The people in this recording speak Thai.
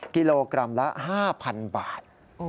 กิโลกรัมละ๕๐๐๐บาท